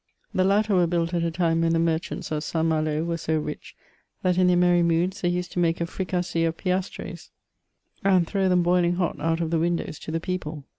The latter were built at a time when the merchants of Saint Malo \ were so rich, that in their merry moods they used to make a fricassee of piastres, and throw them boiling hot out of the windows to the people.